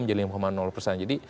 jadi ini pun juga tentunya memungkinkan